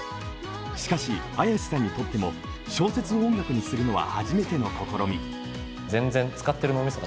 しかし、Ａｙａｓｅさんにとっても小説を音楽にするのは初めての試み。